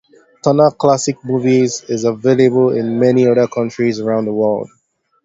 Turner Classic Movies is available in many other countries around the world.